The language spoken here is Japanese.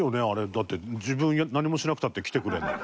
だって自分何もしなくたって来てくれるんだもん。